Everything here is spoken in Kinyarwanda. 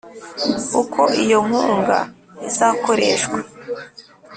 uko iyo nkunga izakoreshwa.